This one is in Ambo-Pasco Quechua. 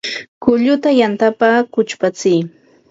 Kulluta yantapa kuchpatsiy